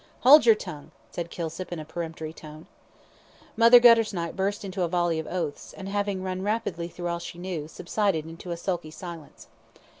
"Hold your tongue," said Kilsip, in a peremptory tone. Mother Guttersnipe burst into a volley of oaths, and having run rapidly through all she knew, subsided into a sulky silence.